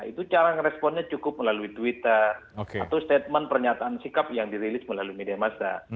itu cara responnya cukup melalui twitter atau statement pernyataan sikap yang dirilis melalui media massa